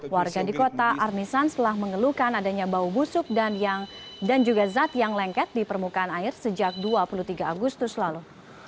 warga di kota armisan telah mengeluhkan adanya bau busuk dan juga zat yang lengket di permukaan air sejak dua puluh tiga agustus lalu